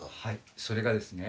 それがですね